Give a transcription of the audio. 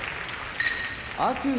天空海